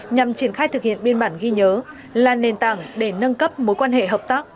nhằm triển khai thực hiện biên bản ghi nhớ là nền tảng để nâng cấp mối quan hệ hợp tác